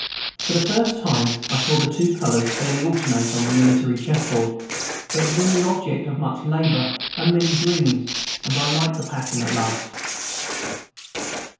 For the first time I saw the two colors fairly alternate on the military chessboard; it had been the object of much labor and many dreams, and I liked the pattern at last.